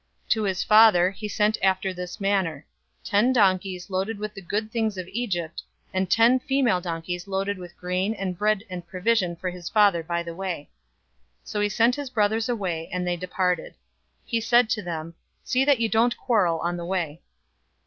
045:023 To his father, he sent after this manner: ten donkeys loaded with the good things of Egypt, and ten female donkeys loaded with grain and bread and provision for his father by the way. 045:024 So he sent his brothers away, and they departed. He said to them, "See that you don't quarrel on the way."